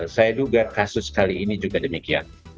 saya duga kasus kali ini juga demikian